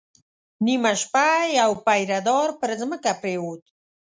نيمه شپه يو پيره دار پر ځمکه پرېووت.